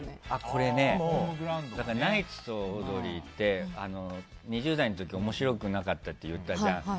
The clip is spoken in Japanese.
これねナイツとオードリーって２０代の時、面白くなかったって言ったじゃん。